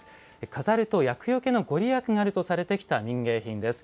飾ると厄よけの御利益があるとされてきた民芸品です。